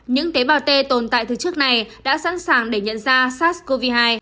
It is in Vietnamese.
những tế bào t tồn tại từ trước này đã sẵn sàng để nhận ra sars cov hai